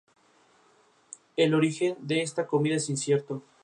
El origen de esta comida es incierto.